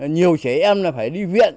nhiều trẻ em phải đi viện